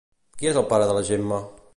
Qui és el pare de la Gemma?